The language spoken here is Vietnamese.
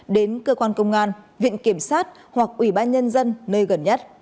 đến cơ quan công an viện kiểm sát hoặc ủy ban nhân dân nơi gần nhất